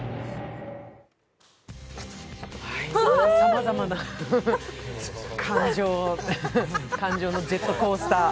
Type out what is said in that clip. さまざまな感情のジェットコースター